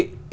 ít rủi ro